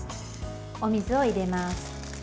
お水を入れます。